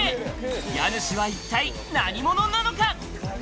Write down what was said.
家主は一体何者なのか？